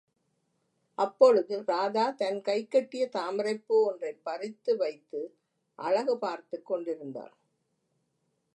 அப்பொழுது ராதா தன் கைக்கெட்டிய தாமரைப் பூ ஒன்றைப் பறித்து வைத்து அழகு பார்த்துக் கொண்டிருந்தாள்.